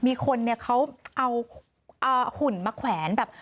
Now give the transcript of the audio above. มีคนเนี่ยเขาเอาหุ่นมาแขวนแบบ